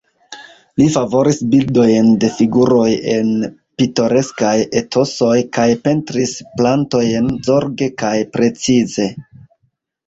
Li favoris bildojn de figuroj en pitoreskaj etosoj kaj pentris plantojn zorge kaj precize.